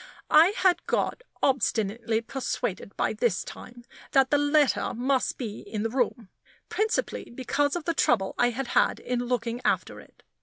I had got obstinately persuaded by this time that the letter must be in the room principally because of the trouble I had had in looking after it.